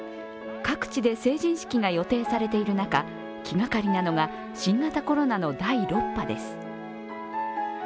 各地で成人式が予定されている中、気がかりなのが新型コロナの第６波です。